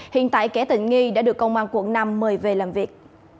hiện tại kẻ nghi đã được công an quận năm mời về làm việc